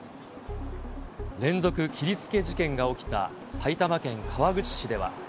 連続切りつけ事件が起きた埼玉県川口市では。